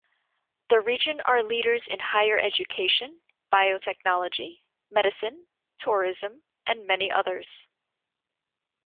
The region are leaders in higher education, biotechnology, medicine, tourism and many others.